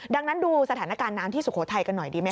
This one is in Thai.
ดังนั้นดูสถานการณ์น้ำที่สุโขทัยกันหน่อยดีไหมค